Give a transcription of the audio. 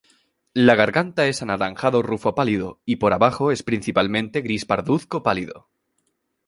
La garganta es anaranjado rufo pálido y por abajo es principalmente gris parduzco pálido.